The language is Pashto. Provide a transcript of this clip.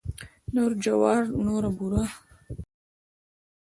نور جوار نوره بوره.